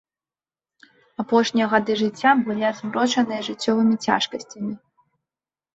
Апошнія гады жыцця былі азмрочаныя жыццёвымі цяжкасцямі.